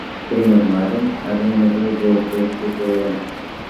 Prin urmare, avem nevoie de o poziție coerentă.